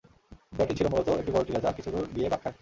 দেয়ালটি ছিল মূলত একটি বড় টিলা, যা কিছুদুর গিয়ে বাক খায়।